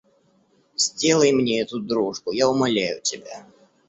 Сделай мне эту дружбу, я умоляю тебя!